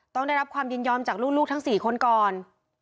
ต้องได้รับความยินยอมจากลูกทั้ง๔คนก่อน